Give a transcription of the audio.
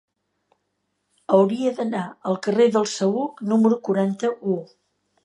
Hauria d'anar al carrer del Saüc número quaranta-u.